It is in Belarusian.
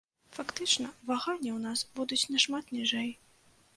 Фактычна ваганні ў нас будуць нашмат ніжэй.